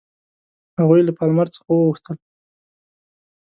هغوی له پالمر څخه وغوښتل.